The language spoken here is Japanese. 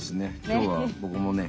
今日は僕もね